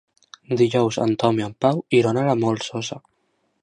Dijous en Tom i en Pau iran a la Molsosa.